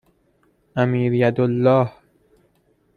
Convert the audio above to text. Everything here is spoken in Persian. امیریدالله